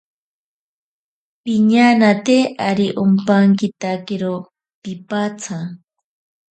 Piñanate ari ompankitakiro piipatsa.